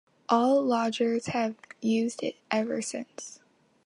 All loggers have used it ever since.